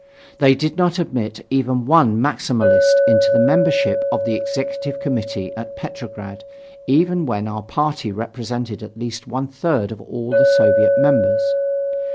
They did not admit even one Maximalist into the membership of the Executive Committee at Petrograd, even when our party represented at least one third of all the Soviet members.